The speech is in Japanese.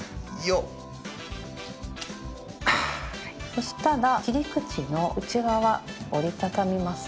そしたら切り口の内側折り畳みます。